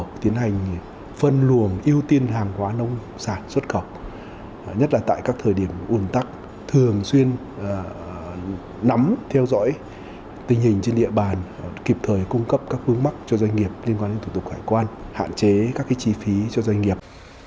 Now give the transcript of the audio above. chúng tôi tiến hành phân luồng ưu tiên hàng hóa nông sản xuất khẩu nhất là tại các thời điểm ồn tắc thường xuyên nắm theo dõi tình hình trên địa bàn kịp thời cung cấp các vướng mắc cho doanh nghiệp liên quan đến thủ tục hải quan hạn chế các chi phí cho doanh nghiệp